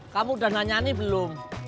kamu udah nanya ini belum